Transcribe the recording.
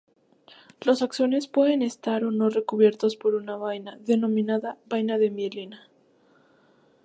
Los axones pueden estar o no recubiertos por una vaina, denominada vaina de mielina.